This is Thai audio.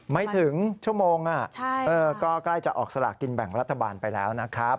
ไม่ถึงชั่วโมงก็ใกล้จะออกสลากกินแบ่งรัฐบาลไปแล้วนะครับ